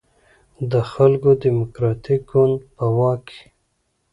د خلکو دیموکراتیک ګوند په واک کې.